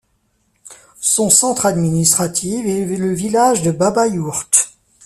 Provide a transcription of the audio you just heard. Son centre administratif est le village de Babayourt.